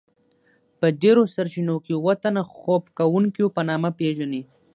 په ډیرو سرچینو کې اوه تنه خوب کوونکيو په نامه پیژني.